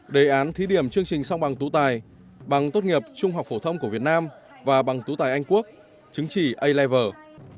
đề án thí điểm chương trình xong bằng tủ tài bằng tốt nghiệp trung học phổ thông của việt nam và bằng tủ tài anh quốc chứng chỉ a level